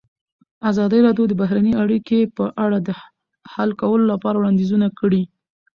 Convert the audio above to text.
ازادي راډیو د بهرنۍ اړیکې په اړه د حل کولو لپاره وړاندیزونه کړي.